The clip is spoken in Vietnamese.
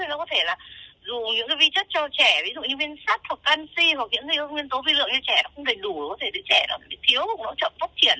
nó có thể là dù những cái vi chất cho trẻ ví dụ như viên sắt hoặc canxi hoặc những cái nguyên tố vi lượng như trẻ nó không đầy đủ có thể là trẻ nó bị thiếu hoặc nó chậm phát triển